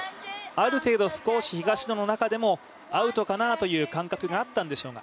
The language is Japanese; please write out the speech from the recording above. ある程度少し、東野の中でもアウトかなという感覚があったんでしょうが。